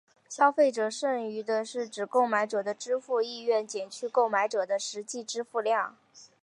消费者剩余是指购买者的支付意愿减去购买者的实际支付量。